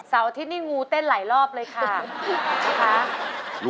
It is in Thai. ใช่เลย